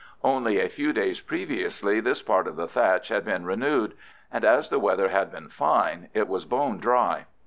Only a few days previously this part of the thatch had been renewed, and as the weather had been fine it was bone dry.